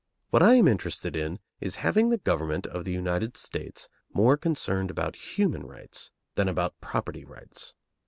What I am interested in is having the government of the United States more concerned about human rights than about property rights.